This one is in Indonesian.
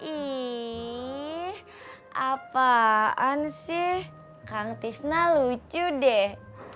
ih apaan sih kang tisna lucu deh